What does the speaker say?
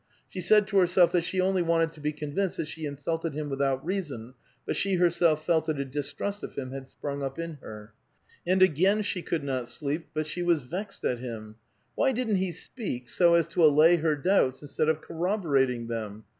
She said to herself that 6he only wanted to be convinced that she insulted him without reason ; but she herself felt that a distrust of him had sprung up in her. And again she could not sleep, but she was vexed at him. Why didn't he speak so as to allaj' her doubts instead of corroborating them?